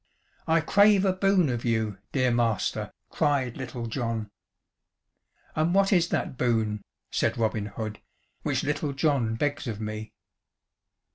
"I crave a boon of you, dear master," cried Little John. "And what is that boon," said Robin Hood, "which Little John begs of me?"